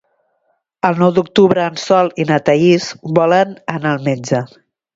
El nou d'octubre en Sol i na Thaís volen anar al metge.